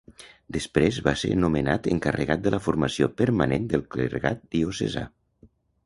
Després va ser nomenat encarregat de la formació permanent del clergat diocesà.